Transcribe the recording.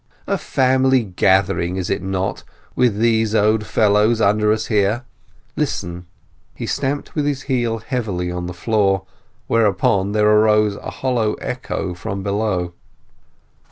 A family gathering, is it not, with these old fellows under us here? Listen." He stamped with his heel heavily on the floor; whereupon there arose a hollow echo from below.